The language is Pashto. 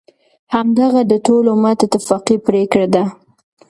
همدغه د ټول امت اتفاقی پریکړه ده،